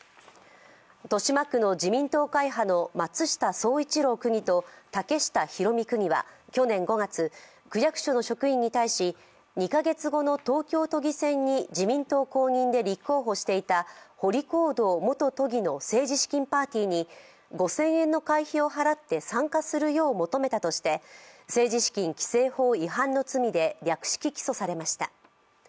豊島区の自民党会派の松下創一郎区議と竹下広美区議は去年５月区役所の職員に対し、２カ月後の東京都議選に自民党公認で立候補していた堀宏道元都議の政治資金パーティーに５０００円の会費を払って参加するよう求めたとして政治資金規正法違反の罪で略式起訴されました。